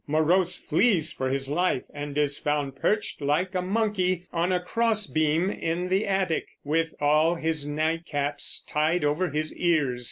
Morose flees for his life, and is found perched like a monkey on a crossbeam in the attic, with all his nightcaps tied over his ears.